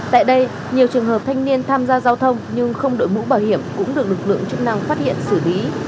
tại đây nhiều trường hợp thanh niên tham gia giao thông nhưng không đội mũ bảo hiểm cũng được lực lượng chức năng phát hiện xử lý